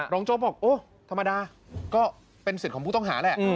โจ๊กบอกโอ้ธรรมดาก็เป็นสิทธิ์ของผู้ต้องหาแหละ